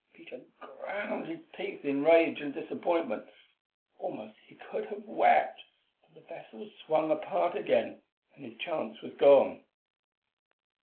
Peter ground his teeth in rage and disappointment; almost he could have wept, for the vessels swung apart again, and his chance was gone.